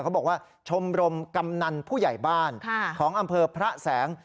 บอกว่าชมรมกำนันผู้ใหญ่บ้านของอำเภอพระแสง